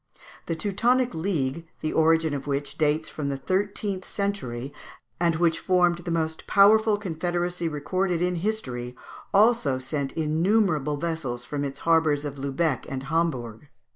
The Teutonic league, the origin of which dates from the thirteenth century, and which formed the most powerful confederacy recorded in history, also sent innumerable vessels from its harbours of Lubeck (Fig. 197) and Hamburg.